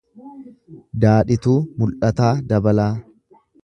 Daadhituu Mul’ataa Dabalaa